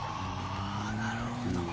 なるほど。